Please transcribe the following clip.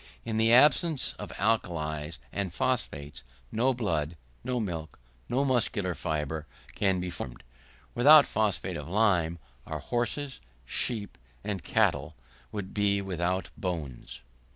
In the absence of alkalies and the phosphates, no blood, no milk, no muscular fibre can be formed. Without phosphate of lime our horses, sheep and cattle, would be without bones.